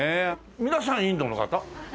皆さんインドの方？